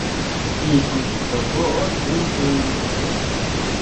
Iku chitokoʼo di ntiñu.